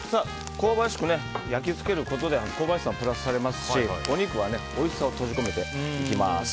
香ばしく焼き付けることで香ばしさもプラスされますしお肉のおいしさを閉じ込めていきます。